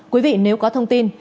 quý vị nếu có thông tin